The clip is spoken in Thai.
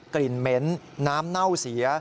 กลิ่นเหม็นน้ำเน่าเสีย